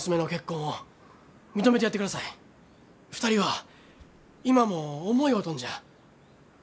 ２人は今も思い合うとんじゃ。